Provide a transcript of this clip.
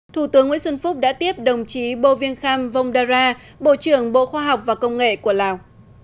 thủ tướng nguyễn xuân phúc đã tiếp đồng chí bô viên kham vông đa ra bộ trưởng bộ khoa học và công nghệ của lào